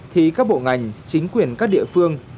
thì các bộ ngành chính quyền các địa phương